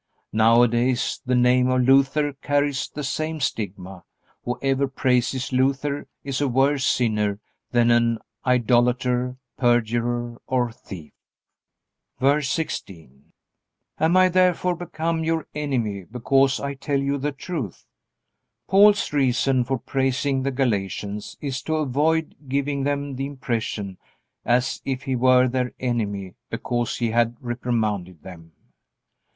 Nowadays the name of Luther carries the same stigma. Whoever praises Luther is a worse sinner than an idolater, perjurer, or thief. VERSE 16. Am I therefore become your enemy, because I tell you the truth? Paul's reason for praising the Galatians is to avoid giving them the impression as if he were their enemy because he had reprimanded them.